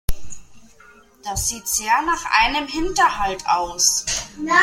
Das sieht sehr nach einem Hinterhalt aus.